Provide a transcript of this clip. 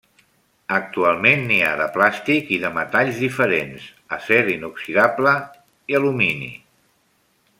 Actualment n’hi ha de plàstic i de metalls diferents: acer inoxidable, alumini.